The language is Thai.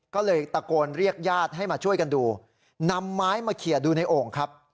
ก็เลยตะโกนเรียกญาติให้มาช่วยกันดูนำไม้มาเขียนดูในโอ่งครับ